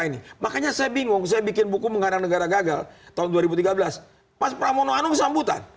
ini makanya saya bingung saya bikin buku menghadang negara gagal tahun dua ribu tiga belas pas pramono anung sambutan